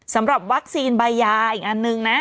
สำหรับวัคซีนใบยาอีกอันนึงนะ